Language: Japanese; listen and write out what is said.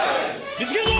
見つけるぞ！